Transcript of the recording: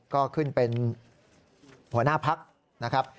ก็ขึ้นเป็นหัวหน้าพักนะครับ